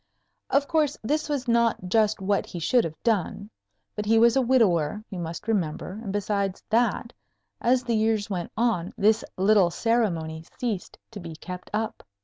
Of course, this was not just what he should have done; but he was a widower, you must remember, and besides that, as the years went on this little ceremony ceased to be kept up.